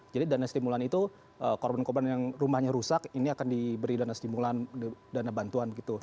jadi dana stimulan itu korban korban yang rumahnya rusak ini akan diberi dana stimulan dana bantuan gitu